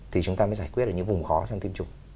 thì chúng ta mới giải quyết được những vùng khó trong tiêm chủng